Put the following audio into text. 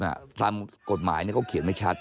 คุณภาคตามกฎหมายก็เขียนไว้ชัด